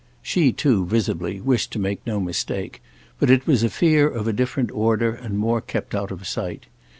She too, visibly, wished to make no mistake; but it was a fear of a different order and more kept out of sight.